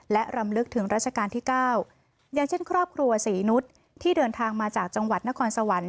และรำลึกถึงราชการที่๙อย่างเช่นครอบครัวศรีนุษย์ที่เดินทางมาจากจังหวัดนครสวรรค์